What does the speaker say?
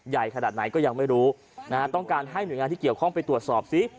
ขนาดไหนก็ยังไม่รู้นะฮะต้องการให้หน่วยงานที่เกี่ยวข้องไปตรวจสอบซิ